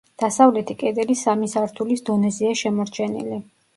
დასავლეთი კედელი სამი სართულის დონეზეა შემორჩენილი.